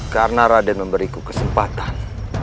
karena raden memberiku kesempatan